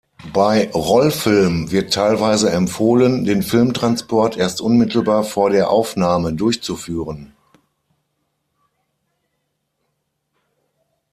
Bei Rollfilm wird teilweise empfohlen, den Filmtransport erst unmittelbar vor der Aufnahme durchzuführen.